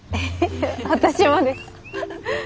私もです。